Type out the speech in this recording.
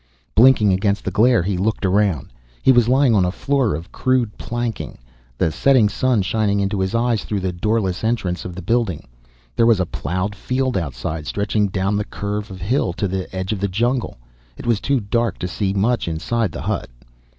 Blinking against the glare, he looked around. He was lying on a floor of crude planking, the setting sun shining into his eyes through the doorless entrance of the building. There was a ploughed field outside, stretching down the curve of hill to the edge of the jungle. It was too dark to see much inside the hut.